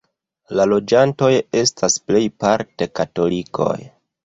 La loĝantoj estas plejparte katolikoj.